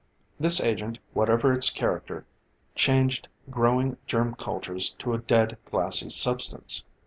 This agent, whatever its character, changed growing germ cultures to a dead, glassy substance.